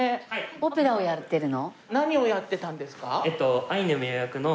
オペラをやってるの？